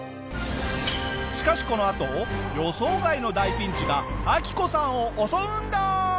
しかしこのあと予想外の大ピンチがアキコさんを襲うんだ！